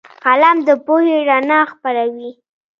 قلم د پوهې رڼا خپروي